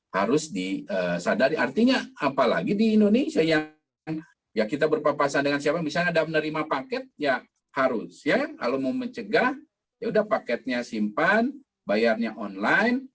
harus ya kalau mau mencegah yaudah paketnya simpan bayarnya online